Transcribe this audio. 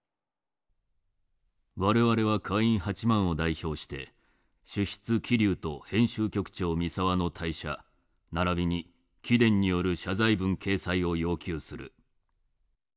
我々は会員８万を代表して主筆桐生と編集局長三沢の退社ならびに貴殿による謝罪文掲載を要求する。